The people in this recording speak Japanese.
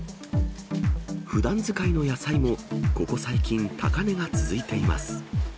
ふだん使いの野菜も、ここ最近、高値が続いています。